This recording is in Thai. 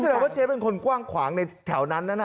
แสดงว่าเจ๊เป็นคนกว้างขวางในแถวนั้นนั้น